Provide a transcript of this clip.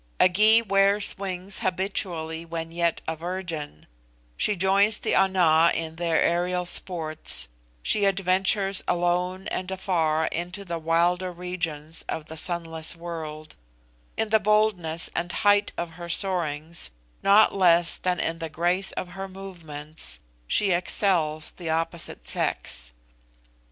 A Gy wears wings habitually when yet a virgin she joins the Ana in their aerial sports she adventures alone and afar into the wilder regions of the sunless world: in the boldness and height of her soarings, not less than in the grace of her movements, she excels the opposite sex.